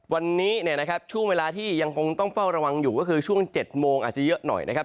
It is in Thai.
วันนี้เนี่ยนะครับช่วงเวลาที่ยังคงต้องเฝ้าระวังอยู่ก็คือช่วง๗โมงอาจจะเยอะหน่อยนะครับ